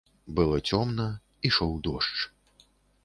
Было цёмна, ішоў дождж.